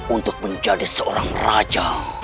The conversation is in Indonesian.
untuk menjadi seorang raja